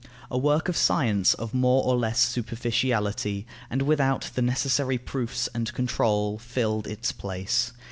A work of science of more or less superficiality, and without the necessary proofs and control, filled its place.